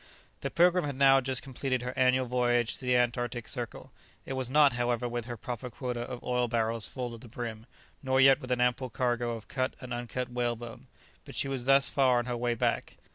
The "Pilgrim" had now just completed her annual voyage to the Antarctic circle. It was not, however, with her proper quota of oil barrels full to the brim, nor yet with an ample cargo of cut and uncut whalebone, that she was thus far on her way back.